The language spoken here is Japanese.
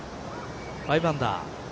５アンダー